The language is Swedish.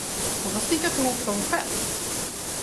Hon har snickrat ihop dem själv.